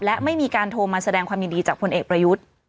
และไม่มีการโทรมาแสดงความยินดีจากพลเอกประยุทธ์